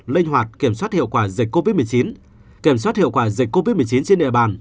linh hoạt kiểm soát hiệu quả dịch covid một mươi chín trên địa bàn